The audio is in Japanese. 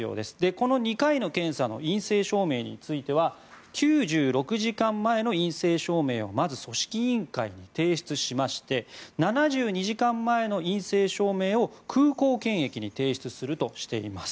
この２回の検査の陰性証明については９６時間前の陰性証明をまず、組織委員会に提出しまして７２時間前の陰性証明を空港検疫で提出するとしています。